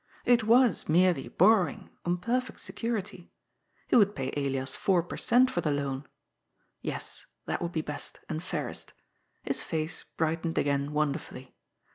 It was merely borrowing on perfect security. He would pay Elias four per cent, for the loan. Yes, that would be best, and fairest. His face brightened again wonderfully.